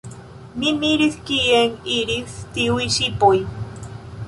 Mi miris kien iris tiuj ŝipoj.